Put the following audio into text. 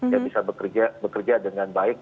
ya bisa bekerja dengan baik